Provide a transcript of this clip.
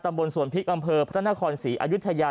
ตำบลส่วนพิษอำเภอพระท่านธครศรีอายุทยา